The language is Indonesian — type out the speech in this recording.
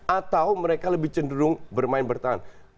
atau mereka lebih cenderung bermain bertahan